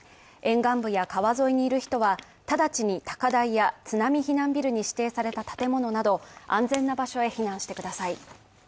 沿岸部や川沿いにいる人は直ちに高台や津波避難ビルに指定された建物など安全な場所へ避難してください。